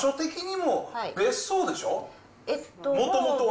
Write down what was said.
もともとは。